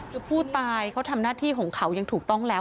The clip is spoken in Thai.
คือผู้ตายเขาทำหน้าที่ของเขาอย่างถูกต้องแล้ว